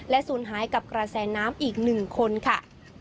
ศูนย์หายกับกระแสน้ำอีก๑คนค่ะ